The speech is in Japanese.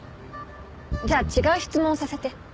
じゃあ違う質問をさせて。